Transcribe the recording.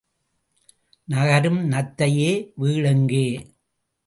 நகரும் நத்தையே, வீடெங்கே?